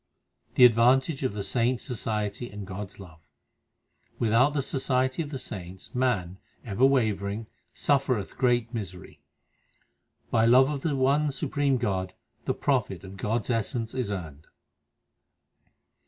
The advantage of the saints society and God s love : Without the society of the saints man ever wavering suffereth great misery : By love of the one Supreme God the profit of God s essence is earned.